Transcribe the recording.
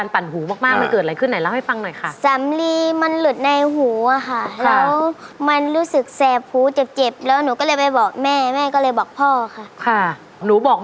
๑ล้านบาทเอาไปทำอะไรครับ